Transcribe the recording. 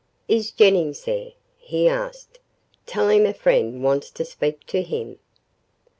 "Is Jennings there?" he asked. "Tell him a friend wants to speak to him."